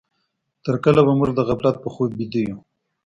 تر کله به موږ د غفلت په خوب ويده يو؟